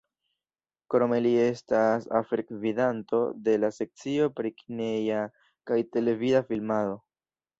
Krome li estas afergvidanto de la sekcio pri kineja kaj televida filmado.